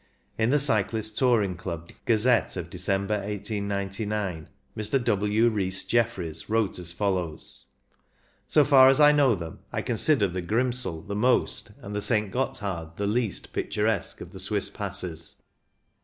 In the Cyclists* Touring Club Gazette of Decem ber, 1899, Mr. W. Rees Jeffreys wrote as follows :—" So far as I know them I consider the Grimsel the most, and the St. Gotthard the least, picturesque of the Swiss passes.